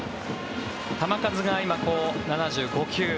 球数が今、７５球。